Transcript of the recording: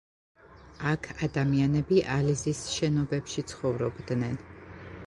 აქ ადამიანები ალიზის შენობებში ცხოვრობდნენ.